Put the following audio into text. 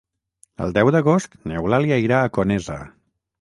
El deu d'agost n'Eulàlia irà a Conesa.